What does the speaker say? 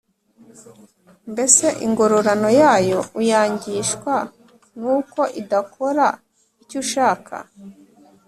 mbese ingororano yayo uyangishwa n’uko idakora icyo ushaka’